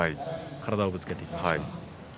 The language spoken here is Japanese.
体をぶつけていきました。